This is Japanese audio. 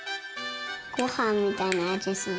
ごはんみたいなあじする。